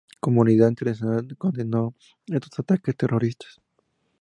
Comunidad internacional condenó estos ataques terroristas.